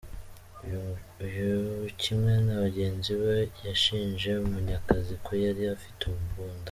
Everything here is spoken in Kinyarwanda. Uyu kimwe na bagenzi be yashinje Munyakazi ko yari afite imbunda.